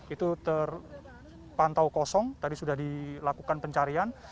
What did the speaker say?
itu terpantau kosong tadi sudah dilakukan pencarian